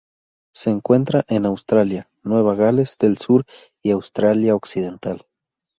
Se encuentra en Australia: Nueva Gales del Sur y Australia Occidental.